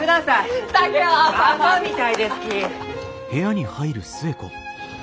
バカみたいですき！